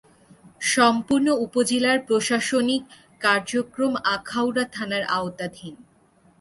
সম্পূর্ণ উপজেলার প্রশাসনিক কার্যক্রম আখাউড়া থানার আওতাধীন।